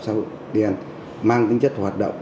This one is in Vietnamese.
xã hội đen mang tính chất hoạt động